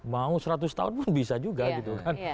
mau seratus tahun pun bisa juga gitu kan